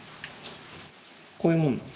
こういうもんなん？